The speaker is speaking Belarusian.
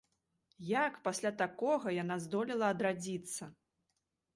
Як пасля такога яна здолела адрадзіцца?